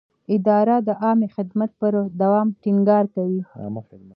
اداره د عامه خدمت پر دوام ټینګار کوي.